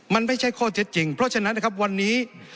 มันไม่ใช่ข้อเท็จจริงเพราะฉะนั้นนะครับวันนี้